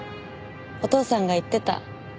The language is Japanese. お父さんが言ってた。